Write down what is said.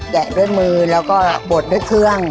ด้วยมือแล้วก็บดด้วยเครื่อง